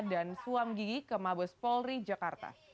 dan suam gigi ke mabes polri jakarta